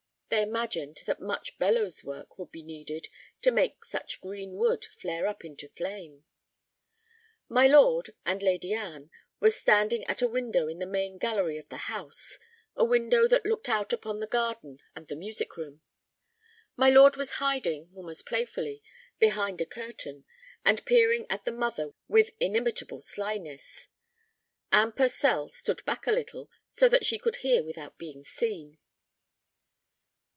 They imagined that much bellows work would be needed to make such green wood flare up into flame. My lord and Lady Anne were standing at a window in the main gallery of the house—a window that looked out upon the garden and the music room. My lord was hiding, almost playfully, behind a curtain, and peering at the mother with inimitable slyness. Anne Purcell stood back a little, so that she could hear without being seen.